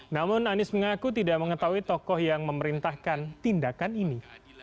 namun anies mengaku tidak mengetahui tokoh yang memerintahkan tindakan ini